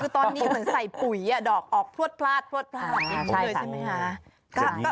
คือตอนนี้เหมือนใส่ปุ๋ยดอกออกพลวดพลาดพลวดพลาดแบบนี้เลยใช่ไหมคะ